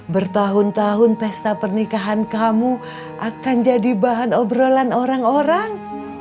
bertahun tahun pesta pernikahan kamu akan jadi bahan obrolan orang orang